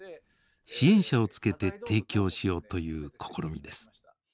支援者をつけて提供しようという試みです。